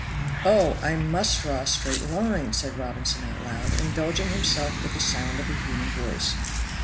"Oh! I must draw a straight line," said Robinson out loud, indulging himself with the sound of a human voice.